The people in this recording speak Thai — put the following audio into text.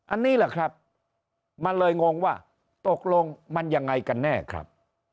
อันนี้แหละครับมันเลยงงว่าตกลงมันยังไงกันแน่ครับ